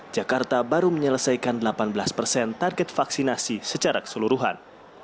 jakarta baru menyelesaikan delapan belas persen target vaksinasi secara keseluruhan